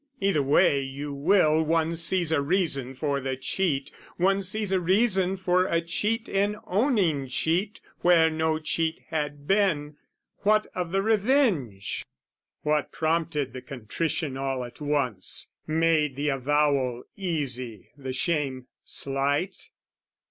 Either way you will. One sees a reason for the cheat: one sees A reason for a cheat in owning cheat Where no cheat had been. What of the revenge? What prompted the contrition all at once, Made the avowal easy, the shame slight?